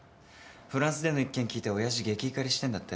フランスでの一件聞いて親父激怒りしてんだって？